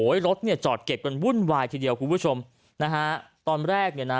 รถเนี่ยจอดเก็บกันวุ่นวายทีเดียวคุณผู้ชมนะฮะตอนแรกเนี่ยนะ